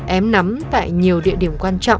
ém nắm tại nhiều địa điểm quan trọng